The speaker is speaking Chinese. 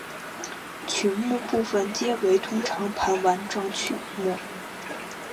曲目部分皆为通常盘完整曲目。